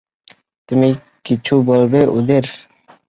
তুমি কিছু বলবে ওদের?